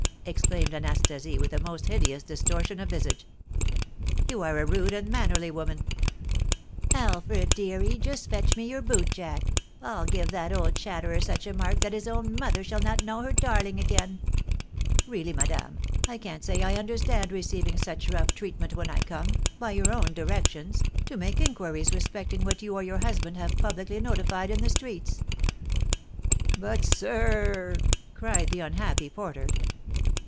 exclaimed Anastasie, with a most hideous distortion of visage. "You are a rude, unmannerly woman!" "Alfred, deary, just fetch me your boot jack: I'll give that old chatterer such a mark that his own mother shall not know her darling again!" "Really, madame, I can't say I understand receiving such rough treatment when I come, by your own directions, to make inquiries respecting what you or your husband have publicly notified in the streets." "But, sir r r !" cried the unhappy porter.